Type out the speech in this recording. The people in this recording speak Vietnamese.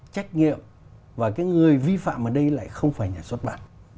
trách nhiệm và cái người vi phạm ở đây lại không phải nhà xuất bản